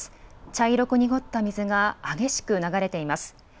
茶色く濁った水が激しく流れています。